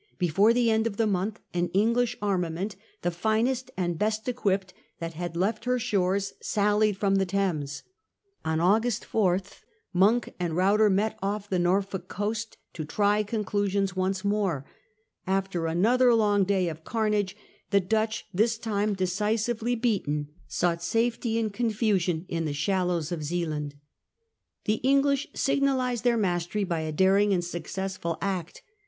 Before the end of the month an English armament, the finest and best equipped that had left her B shores, sallied from the Thames. On August 4 August^, Monk and Ruyter met off the Norfolk coast 1666. t0 tr y conc i us i 0 ns once more. After another long day of carnage the Dutch, this time decisively beaten, sought safety in confusion in the shallows of Zealand. The English signalised their mastery by a daring and successful act.